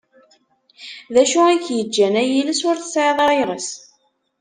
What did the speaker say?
D acu i k-yeǧǧan ay iles ur tesεiḍ ara iɣes?